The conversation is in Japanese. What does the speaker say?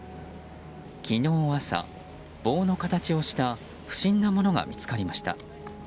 昨日朝、棒の形をした不審な物が見つかりました。